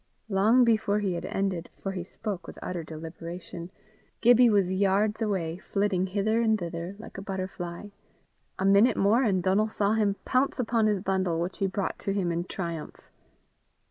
Long before he had ended, for he spoke with utter deliberation, Gibbie was yards away, flitting hither and thither like a butterfly. A minute more and Donal saw him pounce upon his bundle, which he brought to him in triumph.